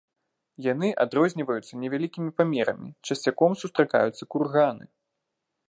Яны адрозніваюцца невялікімі памерамі, часцяком сустракаюцца курганы.